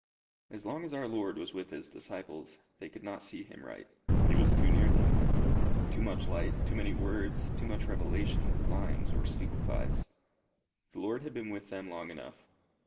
As long as our Lord was with his disciples, they could not see him right: he was too near them. Too much light, too many words, too much revelation, blinds or stupefies. The Lord had been with them long enough.